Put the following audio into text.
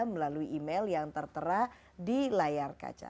melalui email yang tertera di layar kaca